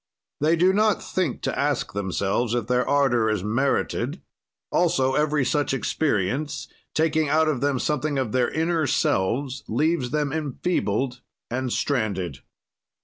"They do not think to ask themselves if their ardor is merited; also every such experience, taking out of them something of their inner selves, leaves them enfeebled and stranded.